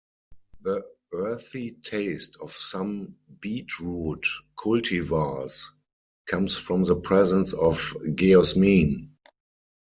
The "earthy" taste of some beetroot cultivars comes from the presence of geosmin.